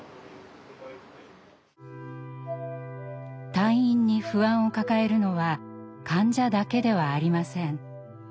退院に不安を抱えるのは患者だけではありません。